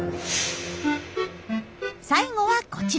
最後はこちら。